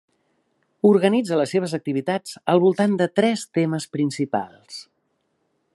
Organitza les seves activitats al voltant de tres temes principals.